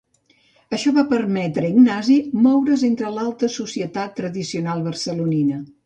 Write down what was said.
Això va permetre Ignasi moure's entre l'alta societat tradicional barcelonina.